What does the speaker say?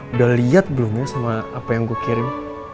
udah liat belum ya sama apa yang gue kirim